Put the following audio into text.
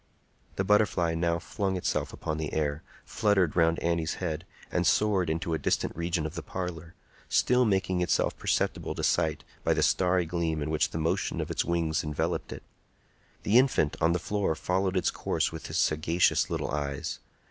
The butterfly now flung itself upon the air, fluttered round Annie's head, and soared into a distant region of the parlor, still making itself perceptible to sight by the starry gleam in which the motion of its wings enveloped it. The infant on the floor followed its course with his sagacious little eyes.